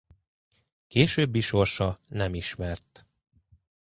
Későbbi sorsa nem ismert.